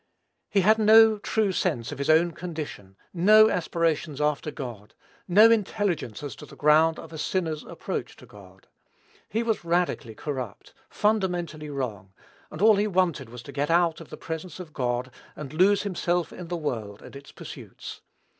He had no true sense of his own condition; no aspirations after God; no intelligence as to the ground of a sinner's approach to God. He was radically corrupt, fundamentally wrong; and all he wanted was to get out of the presence of God, and lose himself in the world and its pursuits.